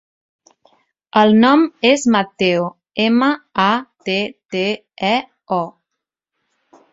El nom és Matteo: ema, a, te, te, e, o.